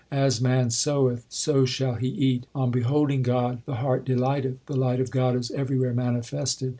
As man soweth, so shall he eat. On beholding God, the heart delighteth ; The light of God is everywhere manifested.